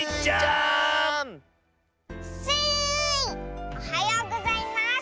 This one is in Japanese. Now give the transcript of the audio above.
おはようございます。